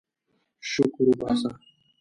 شکر وباسه.